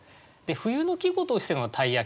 冬の季語としての「鯛焼」